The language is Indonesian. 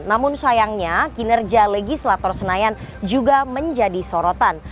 namun sayangnya kinerja legislator senayan juga menjadi sorotan